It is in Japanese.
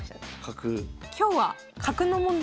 今日は角の問題